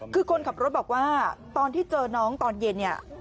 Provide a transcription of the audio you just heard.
คือคนขับรถบอกว่าตอนที่เจอน้องตอนเย็นเนี่ย